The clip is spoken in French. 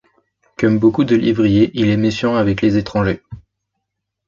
Comme beaucoup de Lévriers, il est méfiant avec les étrangers.